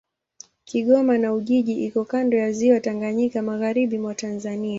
Kigoma na Ujiji iko kando ya Ziwa Tanganyika, magharibi mwa Tanzania.